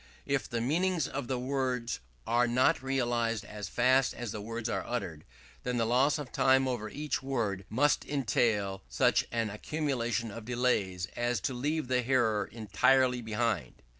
If the meanings of words are not realized as fast as the words are uttered, then the loss of time over each word must entail such an accumulation of delays as to leave a hearer entirely behind.